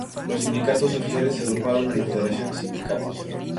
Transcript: Los sindicatos oficiales se agruparon en la Federación de Sindicatos.